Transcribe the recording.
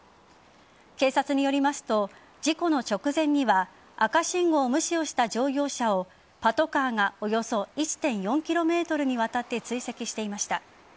警察によりますと事故の直前には赤信号無視をした乗用車をパトカーがおよそ１．４ｋｍにわたって追跡していました。